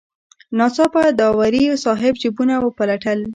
ناڅاپه داوري صاحب جیبونه پلټل.